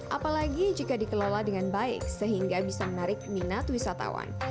apalagi jika dikelola dengan baik sehingga bisa menarik minat wisatawan